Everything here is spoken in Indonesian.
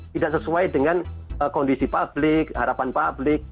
tidak sesuai dengan kondisi publik harapan publik